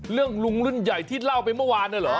ลุงรุ่นใหญ่ที่เล่าไปเมื่อวานนะเหรอ